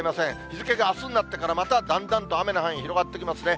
日付があすになってから、まただんだんと雨の範囲広がってきますね。